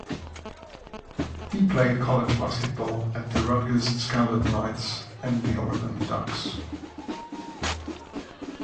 He played college basketball for the Rutgers Scarlet Knights and the Oregon Ducks.